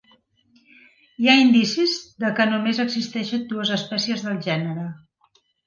Hi ha indicis de que només existeixen dues espècies del gènere.